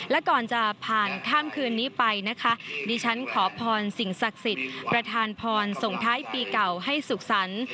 และก่อนจะผ่านข้ามคืนนี้ไปนะคะดิฉันขอพรสิ่งศักดิ์สิทธิ์ประธานพรส่งท้ายปีเก่าให้สุขสรรค์